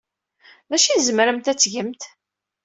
D acu ay tzemremt ad tgemt?